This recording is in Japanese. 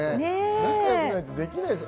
仲良くないとできない。